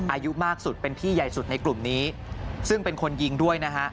อายุมากสุดเป็นพี่ใหญ่สุดในกลุ่มนี้ซึ่งเป็นคนยิงด้วยนะฮะ